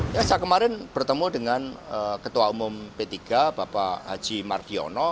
ya saya kemarin bertemu dengan ketua umum p tiga bapak haji mardiono